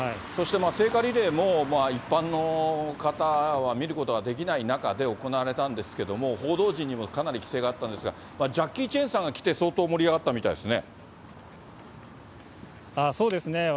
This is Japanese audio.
そして、聖火リレーも、一般の方は見ることができない中で行われたんですけども、報道陣にもかなり規制があったんですが、ジャッキー・チェンさんが来て、相当盛り上がったみたいですね。